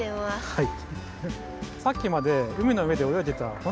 はい。